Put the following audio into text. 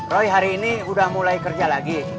roy hari ini udah mulai kerja lagi